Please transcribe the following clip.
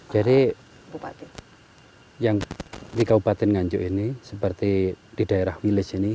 jadi yang di kabupaten nanjuk ini seperti di daerah village ini